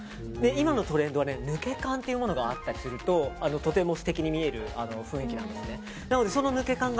今のトレンドは抜け感というのがあるととても素敵に見える雰囲気なんですね。